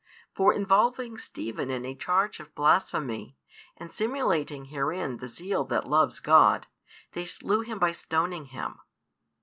For involving Stephen in a charge of blasphemy, and simulating herein the zeal that loves God, they slew him by stoning him.